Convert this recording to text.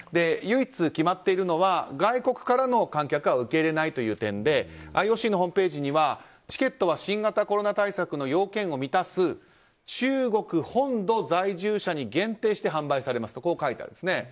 唯一決まっているのは外国からの観客は受け入れないという点でＩＯＣのホームページにはチケットは新型コロナ対策の要件を満たす中国本土在住者に限定して販売されますと書いてありますね。